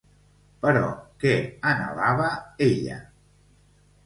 Però què anhelava, ella?